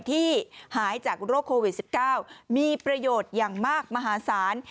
ที่หายจากโรคโควิด๑๙มีประโยชน์อย่างมากมหาศาล